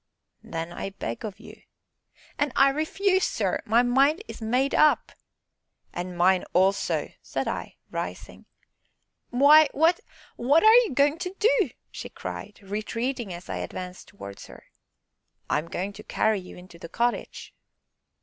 "Then I beg of you." "And I refuse, sir my mind is made up." "And mine also!" said I, rising. "Why, what what are you going to do?" she cried, retreating as I advanced towards her. "I am going to carry you into the cottage."